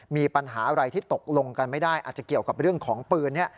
มีปัญหาอะไรที่ตกลงกันไม่ได้อาจจะเกี่ยวกับเรื่องของปืน